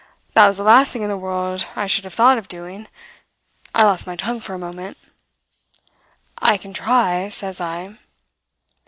"That was the last thing in the world I should have thought of doing. I lost my tongue for a moment. "'I can try,' says I.